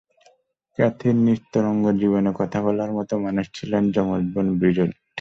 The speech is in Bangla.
ক্যাথির নিস্তরঙ্গ জীবনে কথা বলার মতো মানুষ ছিলেন যমজ বোন ব্রিজেট।